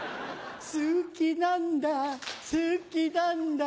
好きなんだ好きなんだ